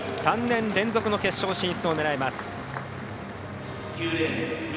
３年連続の決勝進出を狙います。